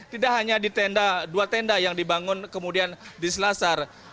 tidak hanya di tenda dua tenda yang dibangun kemudian di selasar